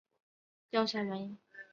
雷沛家当主派出使者调查原因。